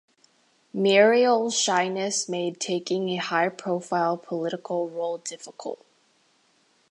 Muriel's shyness made taking a high-profile political role difficult.